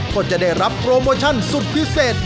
ก็จะได้รับโปรโมชั่นสุดพิเศษ